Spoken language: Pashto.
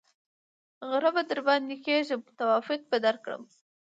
ـ غر به درباندې کېږم توافق به درکړم.